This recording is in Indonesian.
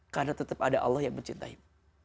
karena tetap ada allah yang mencintaimu